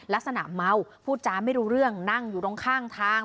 ลักษณะเมาพูดจาไม่รู้เรื่องนั่งอยู่ตรงข้างทาง